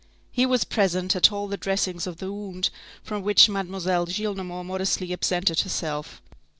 He was present at all the dressings of the wounds from which Mademoiselle Gillenormand modestly absented herself.